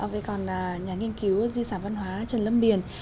vậy còn nhà nghiên cứu di sản văn hóa trần lâm biển